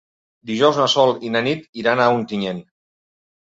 Dijous na Sol i na Nit iran a Ontinyent.